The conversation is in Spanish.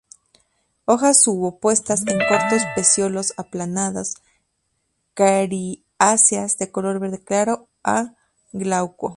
Hojas subopuestas en cortos pecíolos aplanados, coriáceas, de color verde claro a glauco.